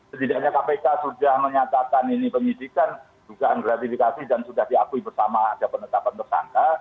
setidaknya kpk sudah menyatakan ini penyidikan dugaan gratifikasi dan sudah diakui bersama ada penetapan tersangka